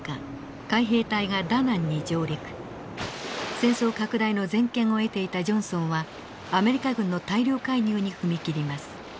戦争拡大の全権を得ていたジョンソンはアメリカ軍の大量介入に踏み切ります。